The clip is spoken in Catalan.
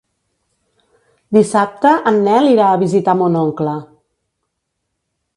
Dissabte en Nel irà a visitar mon oncle.